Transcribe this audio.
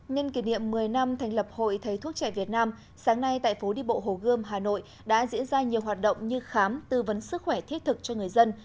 nhân kỷ niệm một mươi năm thành lập hội thầy thuốc trẻ việt nam sáng nay tại phố đi bộ hồ gươm hà nội đã diễn ra nhiều hoạt động như khám tư vấn sức khỏe thiết thực cho người dân